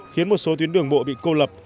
khiến một số tuyến đường bộ bị cô lập